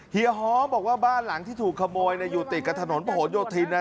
เฮียฮ้อบอกว่าบ้านหลังที่ถูกขโมยเนี่ยอยู่ติดกับถนนประหลโยธินนะ